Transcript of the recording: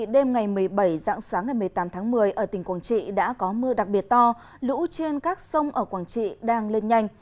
đêm ngày một mươi bảy dạng sáng ngày một mươi tám tháng một mươi ở tỉnh quảng trị đã có mưa đặc biệt to lũ trên các sông ở quảng trị đang lên nhanh